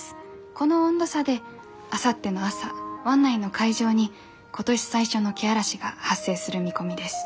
この温度差であさっての朝湾内の海上に今年最初のけあらしが発生する見込みです。